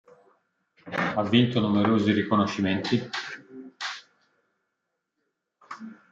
Ha vinto numerosi riconoscimenti.